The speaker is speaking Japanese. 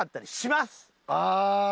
ああ。